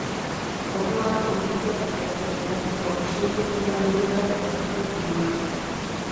Orduan, ez litzateke ezer geratuko, soilik izar ilunak eta zenbaki ilunak.